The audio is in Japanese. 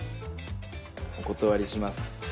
お断りします。